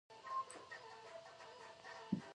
هیلۍ خپل کوچنیان نه پرېږدي